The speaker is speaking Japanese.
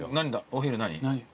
お昼何？